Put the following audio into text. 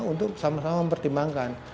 untuk sama sama mempertimbangkan